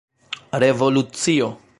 revolucio